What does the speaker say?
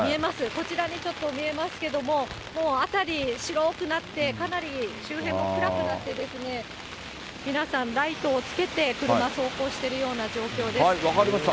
こちらにちょっと見えますけれども、もう辺り、白くなって、かなり周辺も暗くなって、皆さんライトをつけて車、分かりました。